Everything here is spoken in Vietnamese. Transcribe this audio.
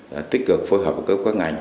đã tích cực phối hợp với các ngành